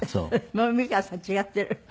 もう美川さん違っている。